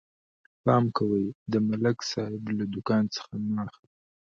پام کوئ، د ملک صاحب له دوکان څه مه اخلئ.